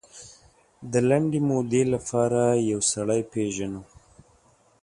د لنډې مودې لپاره یو سړی پېژنو.